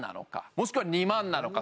もしくは２万なのか？